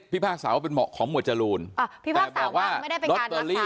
พี่ภาคสาวเป็นเหมาะของหมวดจรูนอ่าพี่ภาคสาวไม่ได้เป็นการลักษณะ